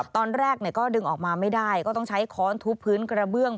ตอนแรกก็ดึงออกมาไม่ได้ก็ต้องใช้ค้อนทุบพื้นกระเบื้อง